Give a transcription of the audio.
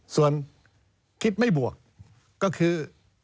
ส่วนคิดไม่บวกก็คือ